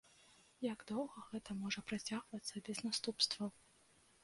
Як доўга гэта можа працягвацца без наступстваў?